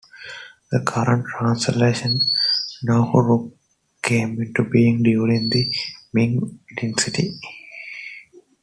The current transliteration Niohuru came into being during the Ming dynasty.